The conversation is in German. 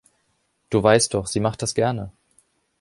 Du weisst doch, sie macht das gerne.